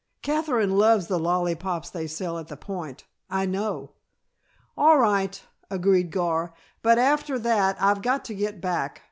Katherine loves the lollypops they sell at the Point I know." "All right," agreed, Gar, "but after that I've got to get back.